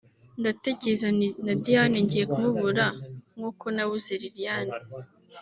ndatekereza nti na Diane ngiye kumubura nk’uko nabuze Liliane